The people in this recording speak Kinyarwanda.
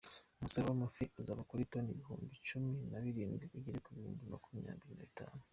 Umusaruro w’amafi uzava kuri toni imihumbi cumi nabirindwi ugere kubihumbi makumyabiri nabitanu